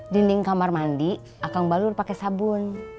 dinding kamar mandi akang balur pakai sabun